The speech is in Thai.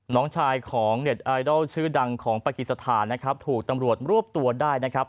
น้องชายของเน็ตไอดอลชื่อดังของปากิสถานนะครับถูกตำรวจรวบตัวได้นะครับ